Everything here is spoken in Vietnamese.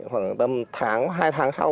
khoảng tầm tháng hai tháng sau